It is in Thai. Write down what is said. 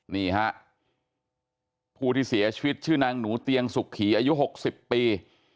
นี่ฮะผู้ที่เสียชีวิตชื่อนางหนูเตียงสุขีอายุ๖๐ปี